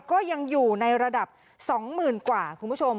ก็ยังอยู่ในระดับ๒๐๐๐กว่าคุณผู้ชม